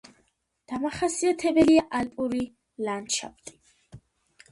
დამახასიათებელია ალპური ლანდშაფტი.